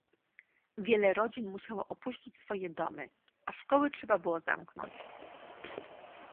Wiele rodzin musiało opuścić swoje domy, a szkoły trzeba było zamknąć